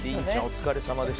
お疲れさまです。